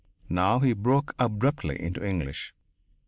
Now he broke abruptly into English.